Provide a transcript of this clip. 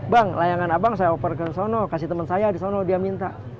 bang layangan abang saya oper ke sana kasih teman saya di sana dia minta